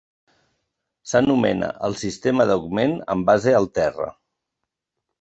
S'anomena el sistema d'augment amb base al terra.